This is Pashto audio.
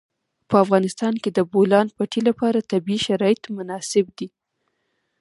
په افغانستان کې د د بولان پټي لپاره طبیعي شرایط مناسب دي.